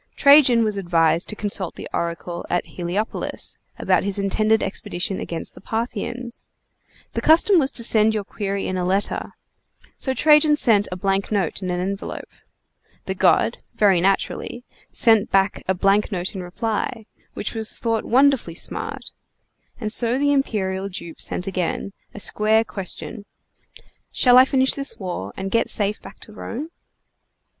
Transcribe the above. Trajan was advised to consult the oracle at Heliopolis, about his intended expedition against the Parthians. The custom was to send your query in a letter; so Trajan sent a blank note in an envelope. The god (very naturally) sent back a blank note in reply, which was thought wonderfully smart; and so the imperial dupe sent again, a square question: "Shall I finish this war and get safe back to Rome?"